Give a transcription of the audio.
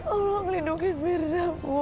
allah melindungi mirna bu